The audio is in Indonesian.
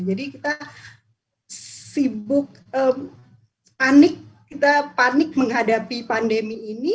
jadi kita sibuk panik kita panik menghadapi pandemi ini